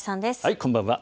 こんばんは。